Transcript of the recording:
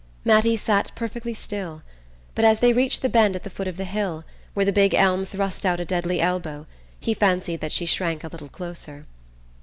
Mattie sat perfectly still, but as they reached the bend at the foot of the hill, where the big elm thrust out a deadly elbow, he fancied that she shrank a little closer.